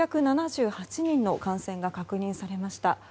６７８人の感染が確認されました。